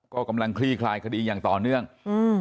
ก็กำลังคลี่คลายคดีอย่างต่อเนื่องอืม